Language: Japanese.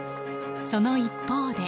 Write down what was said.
その一方で。